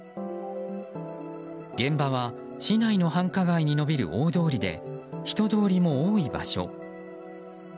現場は市内の繁華街に伸びる大通りで人通りも多い場所。